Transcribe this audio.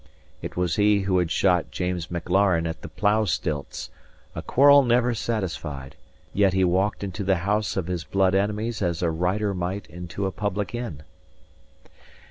It was he who had shot James Maclaren at the plough stilts, a quarrel never satisfied; yet he walked into the house of his blood enemies as a rider* might into a public inn.